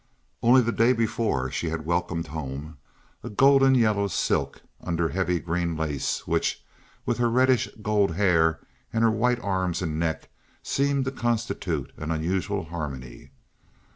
Only the day before she had welcomed home a golden yellow silk under heavy green lace, which, with her reddish gold hair and her white arms and neck, seemed to constitute an unusual harmony.